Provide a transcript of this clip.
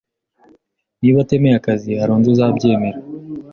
Niba atemeye akazi, hari undi uzabyemera.